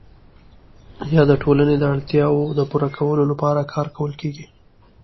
یا د ټولنې د اړتیاوو د پوره کولو لپاره کارول کیږي؟